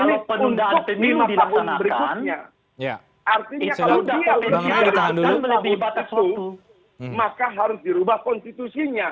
itu ada atur oleh undang undang pemilu